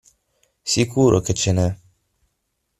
Sicuro che ce n'è!